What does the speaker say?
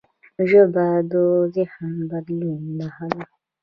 ژبه د ذهن د بدلون نښه ده.